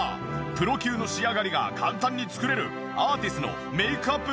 プロ級の仕上がりが簡単に作れるアーティスのメイクアップ